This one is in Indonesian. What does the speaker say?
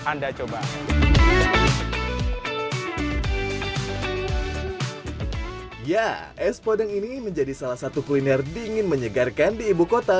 anda coba ya es podeng ini menjadi salah satu kuliner dingin menyegarkan di ibu kota